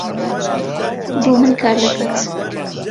بۆ من کار دەکات.